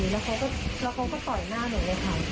แล้วเขาก็ต่อยหน้าหนูเลยค่ะ